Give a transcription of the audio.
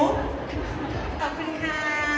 ขอบคุณค่ะ